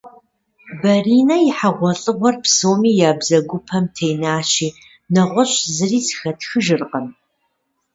Баринэ и хьэгъуэлӏыгъуэр псоми я бзэгупэм тенащи, нэгъуэщӏ зыри зэхэтхыжыркъым.